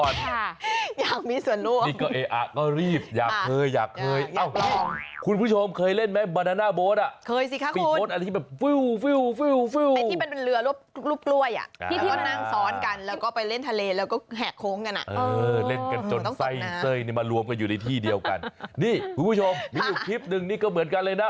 คุณผู้ชมมีอยู่คลิปหนึ่งนี่ก็เหมือนกันเลยนะ